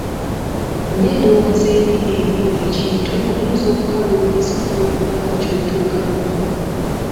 N'endowooza embi eri ekintu, oyinza okukaluubirizibwa okubaako ky'otuukako.